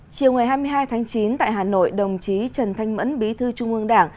chiều ngày hai mươi hai tháng chín tại hà nội đồng chí trần thanh mẫn bí thư trung ương đảng